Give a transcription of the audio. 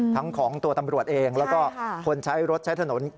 ทั้งของตัวตำรวจเองแล้วก็คนใช้รถใช้ถนน